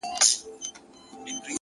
هوډ د نیمې لارې ستړیا نه مني.!